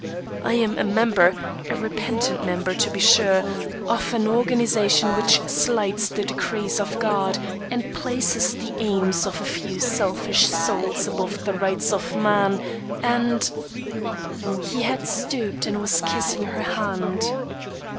I am a member a repentant member, to be sure of an organization which slights the decrees of God and places the aims of a few selfish souls above the rights of man, and " He had stooped and was kissing her hand.